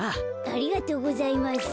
ありがとうございます。